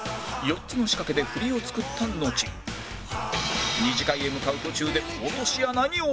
４つの仕掛けでフリを作った後２次会へ向かう途中で落とし穴に落とす